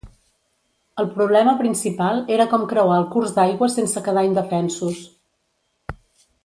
El problema principal era com creuar el curs d'aigua sense quedar indefensos.